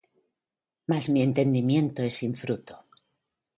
mas mi entendimiento es sin fruto.